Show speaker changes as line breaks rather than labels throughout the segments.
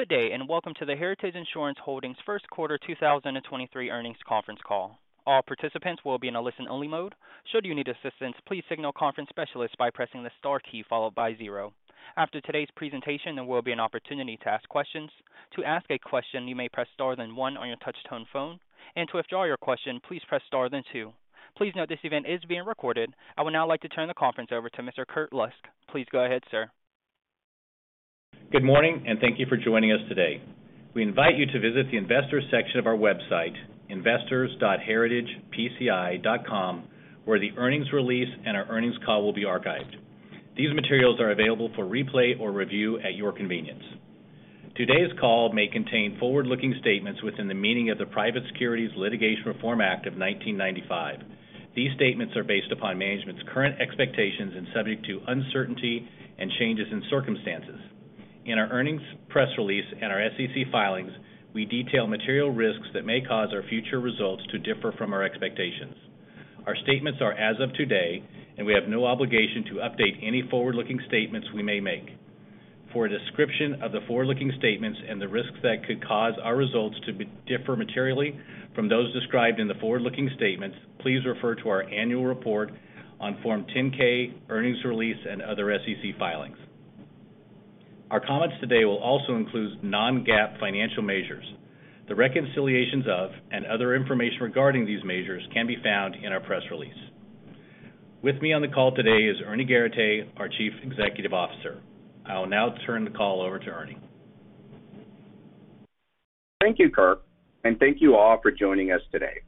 Good day, and welcome to the Heritage Insurance Holdings first quarter 2023 earnings conference call. All participants will be in a listen only mode. Should you need assistance, please signal conference specialist by pressing the star key followed by zero. After today's presentation, there will be an opportunity to ask questions. To ask a question, you may press star then one on your touch-tone phone, and to withdraw your question, please press star then two. Please note this event is being recorded. I would now like to turn the conference over to Mr. Kirk Lusk. Please go ahead, sir.
Good morning, and thank you for joining us today. We invite you to visit the Investors section of our website, investors.heritagepci.com, where the earnings release and our earnings call will be archived. These materials are available for replay or review at your convenience. Today's call may contain forward-looking statements within the meaning of the Private Securities Litigation Reform Act of 1995. These statements are based upon management's current expectations and subject to uncertainty and changes in circumstances. Our earnings press release and our SEC filings, we detail material risks that may cause our future results to differ from our expectations. Our statements are as of today, and we have no obligation to update any forward-looking statements we may make. For a description of the forward-looking statements and the risks that could cause our results to differ materially from those described in the forward-looking statements, please refer to our annual report on Form 10-K, earnings release and other SEC filings. Our comments today will also include non-GAAP financial measures. The reconciliations of, and other information regarding these measures can be found in our press release. With me on the call today is Ernie Garateix, our Chief Executive Officer. I will now turn the call over to Ernie.
Thank you, Kirk, and thank you all for joining us today.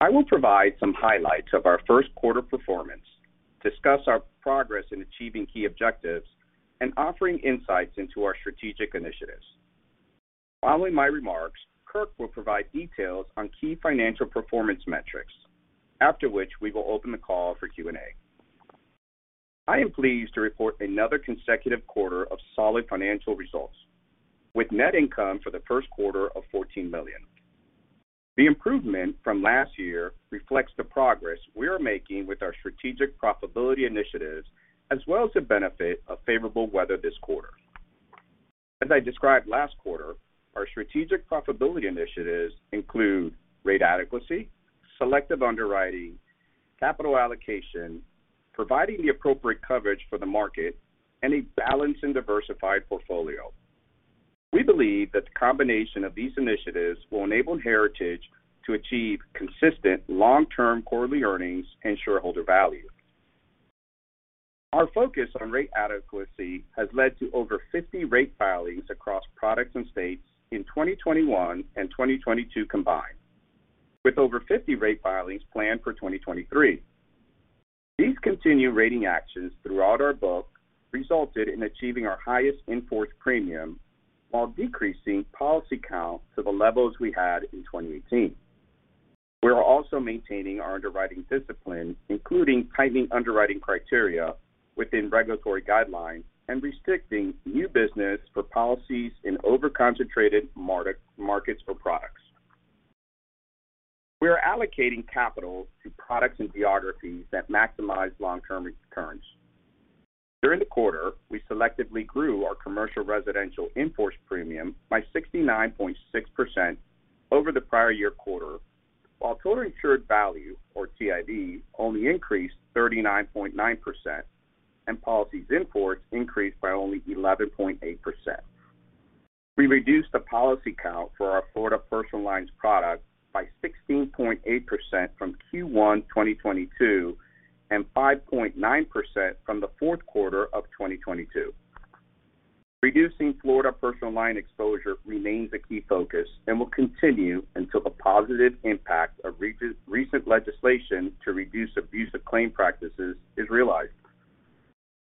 I will provide some highlights of our first quarter performance, discuss our progress in achieving key objectives, and offering insights into our strategic initiatives. Following my remarks, Kirk will provide details on key financial performance metrics, after which we will open the call for Q&A. I am pleased to report another consecutive quarter of solid financial results with net income for the first quarter of $14 million. The improvement from last year reflects the progress we are making with our strategic profitability initiatives, as well as the benefit of favorable weather this quarter. As I described last quarter, our strategic profitability initiatives include rate adequacy, selective underwriting, capital allocation, providing the appropriate coverage for the market, and a balanced and diversified portfolio. We believe that the combination of these initiatives will enable Heritage to achieve consistent long-term quarterly earnings and shareholder value. Our focus on rate adequacy has led to over 50 rate filings across products and states in 2021 and 2022 combined, with over 50 rate filings planned for 2023. These continued rating actions throughout our book resulted in achieving our highest in-force premium while decreasing policy count to the levels we had in 2018. We are also maintaining our underwriting discipline, including tightening underwriting criteria within regulatory guidelines and restricting new business for policies in over-concentrated markets for products. We are allocating capital to products and geographies that maximize long-term recurrence. During the quarter, we selectively grew our commercial residential in-force premium by 69.6% over the prior year quarter, while total insured value, or TIV, only increased 39.9% and policies in force increased by only 11.8%. We reduced the policy count for our Florida personal lines product by 16.8% from Q1, 2022 and 5.9% from the fourth quarter of 2022. Reducing Florida personal line exposure remains a key focus and will continue until the positive impact of recent legislation to reduce abusive claim practices is realized.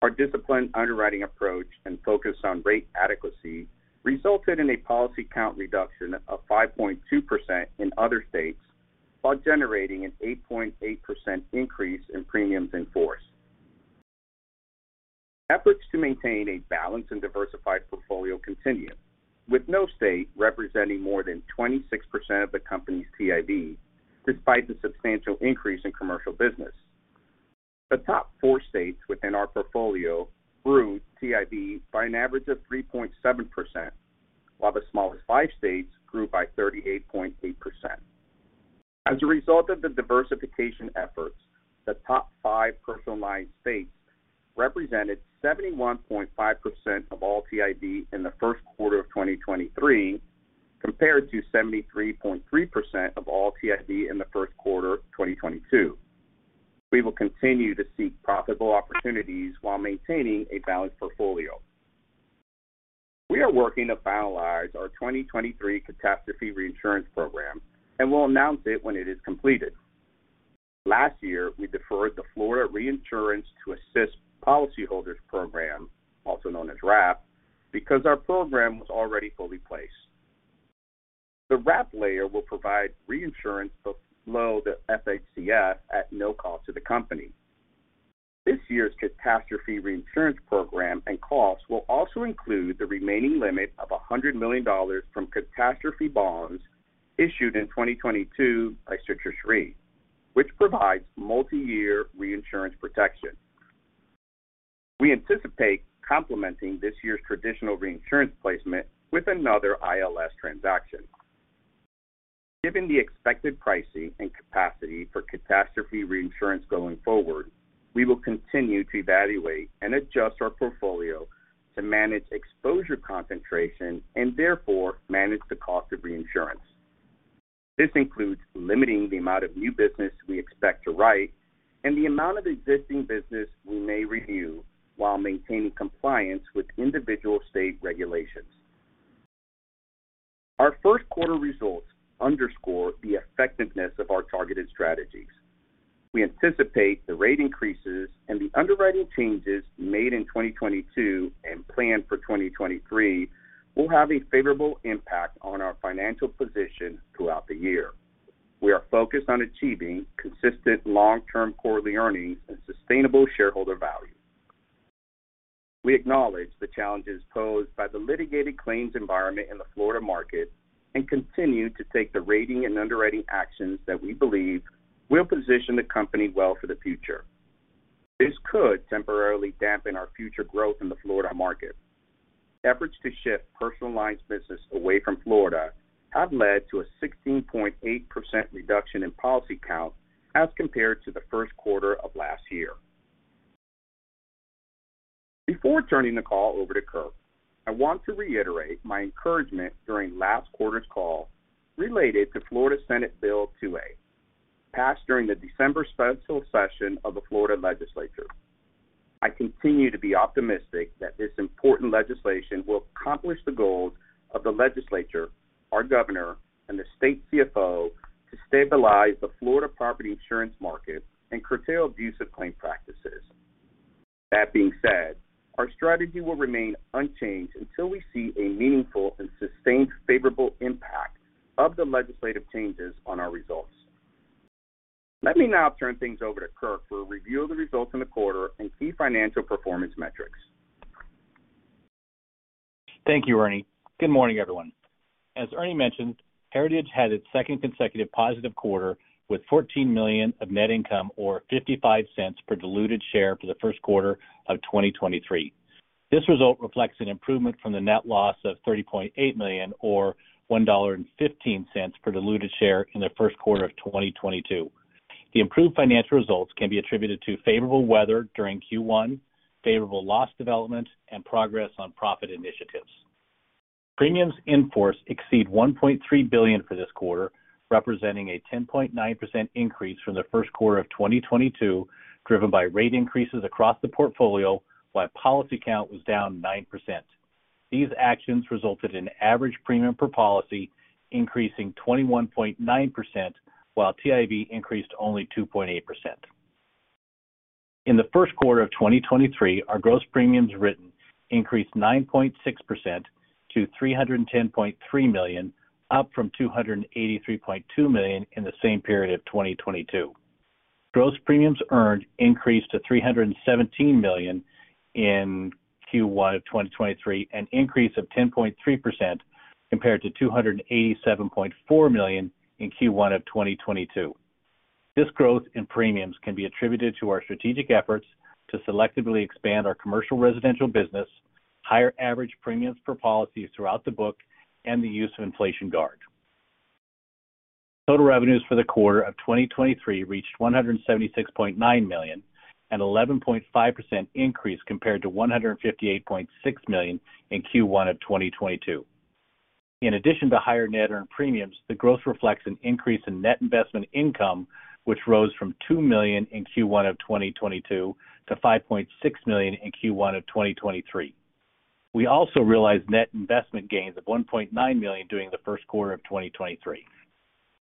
Our disciplined underwriting approach and focus on rate adequacy resulted in a policy count reduction of 5.2% in other states while generating an 8.8% increase in premiums in force. Efforts to maintain a balanced and diversified portfolio continue, with no state representing more than 26% of the company's TIV, despite the substantial increase in commercial business. The top four states within our portfolio grew TIV by an average of 3.7%, while the smallest five states grew by 38.8%. As a result of the diversification efforts, the top five personal line states represented 71.5% of all TIV in the first quarter of 2023, compared to 73.3% of all TIV in the first quarter of 2022. We will continue to seek profitable opportunities while maintaining a balanced portfolio. We are working to finalize our 2023 catastrophe reinsurance program and will announce it when it is completed. Last year, we deferred the Florida Reinsurance to Assist Policyholders program, also known as RAP, because our program was already fully placed. The RAP layer will provide reinsurance below the FHCF at no cost to the company. This year's catastrophe reinsurance program and costs will also include the remaining limit of $100 million from catastrophe bonds issued in 2022 by Citrus Re, which provides multi-year reinsurance protection. We anticipate complementing this year's traditional reinsurance placement with another ILS transaction. Given the expected pricing and capacity for catastrophe reinsurance going forward, we will continue to evaluate and adjust our portfolio to manage exposure concentration and therefore manage the cost of reinsurance. This includes limiting the amount of new business we expect to write and the amount of existing business we may renew while maintaining compliance with individual state regulations. Our first quarter results underscore the effectiveness of our targeted strategies. We anticipate the rate increases and the underwriting changes made in 2022 and planned for 2023 will have a favorable impact on our financial position throughout the year. We are focused on achieving consistent long-term quarterly earnings and sustainable shareholder value. We acknowledge the challenges posed by the litigated claims environment in the Florida market and continue to take the rating and underwriting actions that we believe will position the company well for the future. This could temporarily dampen our future growth in the Florida market. Efforts to shift personal lines business away from Florida have led to a 16.8% reduction in policy count as compared to the first quarter of last year. Before turning the call over to Kirk, I want to reiterate my encouragement during last quarter's call related to Florida Senate Bill 2-A, passed during the December special session of the Florida Legislature. I continue to be optimistic that this important legislation will accomplish the goals of the legislature, our Governor, and the state CFO to stabilize the Florida property insurance market and curtail abusive claim practices. That being said, our strategy will remain unchanged until we see a meaningful and sustained favorable impact of the legislative changes on our results. Let me now turn things over to Kirk for a review of the results in the quarter and key financial performance metrics.
Thank you, Ernie. Good morning, everyone. As Ernie mentioned, Heritage had its second consecutive positive quarter with $14 million of net income or $0.55 per diluted share for the first quarter of 2023. This result reflects an improvement from the net loss of $30.8 million or $1.15 per diluted share in the first quarter of 2022. The improved financial results can be attributed to favorable weather during Q1, favorable loss development and progress on profit initiatives. Premiums in force exceed $1.3 billion for this quarter, representing a 10.9% increase from the first quarter of 2022, driven by rate increases across the portfolio while policy count was down 9%. These actions resulted in average premium per policy increasing 21.9%, while TIV increased only 2.8%. In the first quarter of 2023, our gross premiums written increased 9.6% to $310.3 million, up from $283.2 million in the same period of 2022. Gross premiums earned increased to $317 million in Q1 of 2023, an increase of 10.3% compared to $287.4 million in Q1 of 2022. This growth in premiums can be attributed to our strategic efforts to selectively expand our commercial residential business, higher average premiums per policies throughout the book, and the use of inflation guard. Total revenues for the quarter of 2023 reached $176.9 million, an 11.5% increase compared to $158.6 million in Q1 of 2022. In addition to higher net earned premiums, the growth reflects an increase in net investment income, which rose from $2 million in Q1 of 2022 to $5.6 million in Q1 of 2023. We also realized net investment gains of $1.9 million during the first quarter of 2023.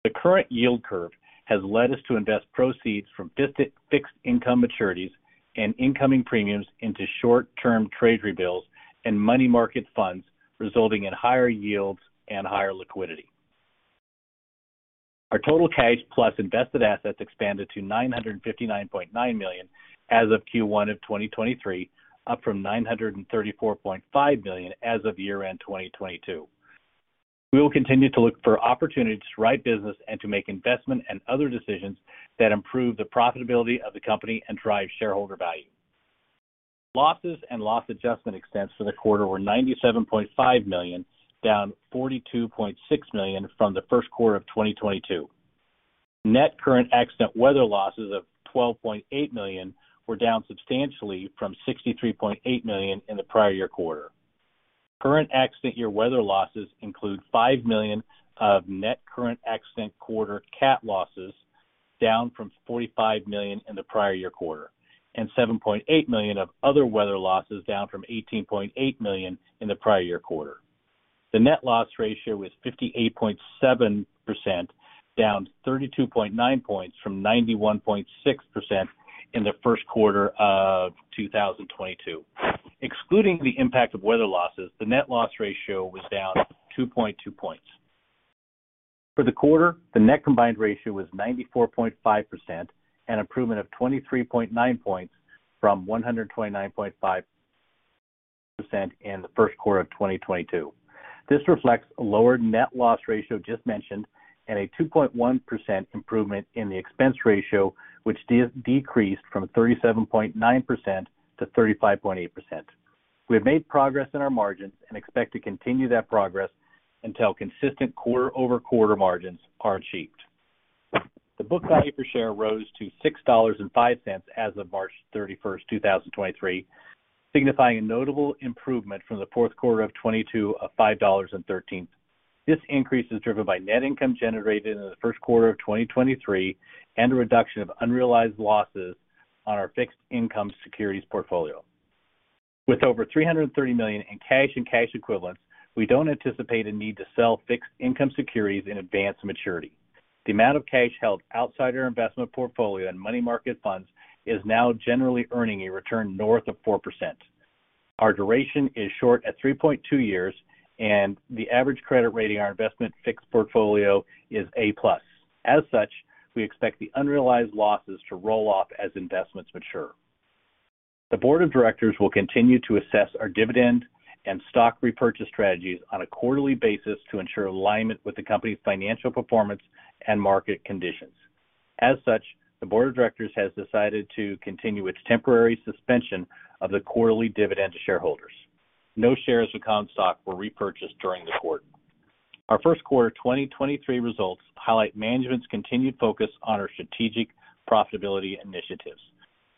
The current yield curve has led us to invest proceeds from fixed income maturities and incoming premiums into short-term Treasury bills and money market funds, resulting in higher yields and higher liquidity. Our total cash plus invested assets expanded to $959.9 million as of Q1 of 2023, up from $934.5 million as of year-end 2022. We will continue to look for opportunities to write business and to make investment and other decisions that improve the profitability of the company and drive shareholder value. Losses and loss adjustment expense for the quarter were $97.5 million, down $42.6 million from the first quarter of 2022. Net current accident weather losses of $12.8 million were down substantially from $63.8 million in the prior year quarter. Current accident year weather losses include $5 million of net current accident quarter cat losses, down from $45 million in the prior year quarter, and $7.8 million of other weather losses, down from $18.8 million in the prior year quarter. The net loss ratio was 58.7%, down 32.9 points from 91.6% in the first quarter of 2022. Excluding the impact of weather losses, the net loss ratio was down 2.2 points. For the quarter, the net combined ratio was 94.5%, an improvement of 23.9 points from 129.5% in the first quarter of 2022. This reflects a lower net loss ratio just mentioned and a 2.1% improvement in the expense ratio, which decreased from 37.9% to 35.8%. We have made progress in our margins and expect to continue that progress until consistent quarter-over-quarter margins are achieved. The book value per share rose to $6.05 as of March 31st, 2023, signifying a notable improvement from the fourth quarter of 2022 of $5.13. This increase is driven by net income generated in the first quarter of 2023 and a reduction of unrealized losses on our fixed income securities portfolio. With over $330 million in cash and cash equivalents, we don't anticipate a need to sell fixed income securities in advanced maturity. The amount of cash held outside our investment portfolio and money market funds is now generally earning a return north of 4%. Our duration is short at three point two years, and the average credit rating on our investment fixed portfolio is A+. As such, we expect the unrealized losses to roll off as investments mature. The Board of Directors will continue to assess our dividend and stock repurchase strategies on a quarterly basis to ensure alignment with the company's financial performance and market conditions. As such, the Board of Directors has decided to continue its temporary suspension of the quarterly dividend to shareholders. No shares of common stock were repurchased during the quarter. Our first quarter 2023 results highlight management's continued focus on our strategic profitability initiatives.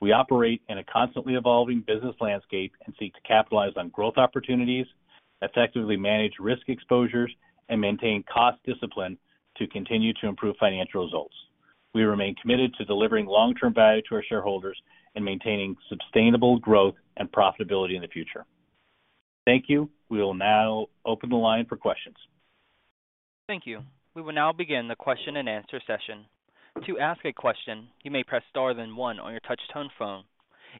We operate in a constantly evolving business landscape and seek to capitalize on growth opportunities, effectively manage risk exposures, and maintain cost discipline to continue to improve financial results. We remain committed to delivering long-term value to our shareholders and maintaining sustainable growth and profitability in the future. Thank you. We will now open the line for questions.
Thank you. We will now begin the question and answer session. To ask a question, you may press star then one on your touch tone phone.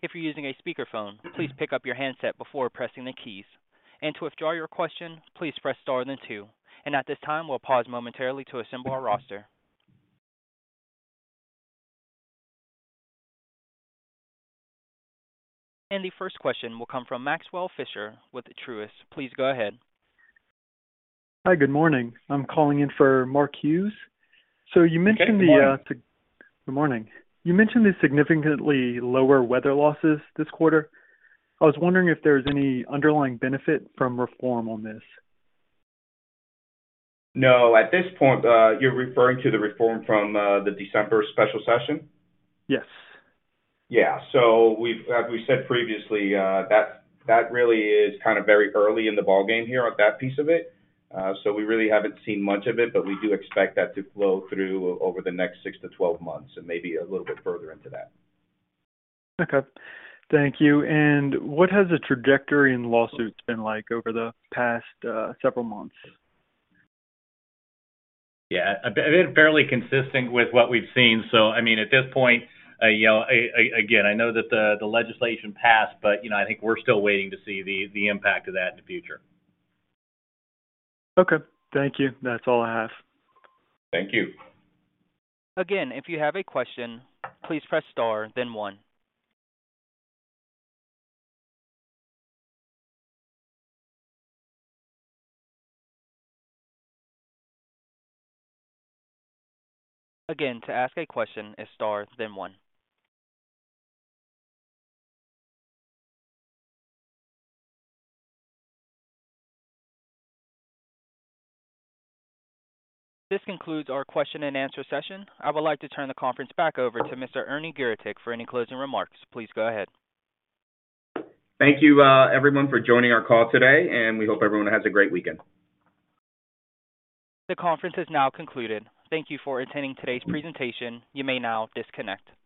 If you're using a speakerphone, please pick up your handset before pressing the keys. To withdraw your question, please press star then two. At this time, we'll pause momentarily to assemble our roster. The first question will come from Maxwell Fritscher with Truist. Please go ahead.
Hi. Good morning. I'm calling in for Mark Hughes.
Good morning.
Good morning. You mentioned the significantly lower weather losses this quarter. I was wondering if there's any underlying benefit from reform on this.
No. At this point, you're referring to the reform from, the December special session?
Yes.
Yeah. As we said previously, that really is kind of very early in the ballgame here on that piece of it. We really haven't seen much of it, but we do expect that to flow through over the next six to 12 months and maybe a little bit further into that.
Okay. Thank you. What has the trajectory and lawsuits been like over the past, several months?
A bit fairly consistent with what we've seen. I mean, at this point, you know, again, I know that the legislation passed, but, you know, I think we're still waiting to see the impact of that in the future. Okay. Thank you. That's all I have.
Thank you.
Again, if you have a question, please press star then one. Again, to ask a question, it's star then one. This concludes our question and answer session. I would like to turn the conference back over to Mr. Ernie Garateix for any closing remarks. Please go ahead.
Thank you, everyone for joining our call today, and we hope everyone has a great weekend.
The conference is now concluded. Thank you for attending today's presentation. You may now disconnect.